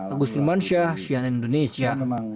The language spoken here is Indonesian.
agus rumansyah sian indonesia